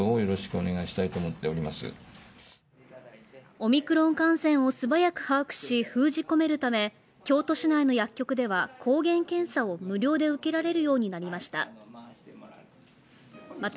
オミクロン感染を素早く把握し、封じ込めるため京都市内の薬局では抗原検査を無料で受けられるようになりました。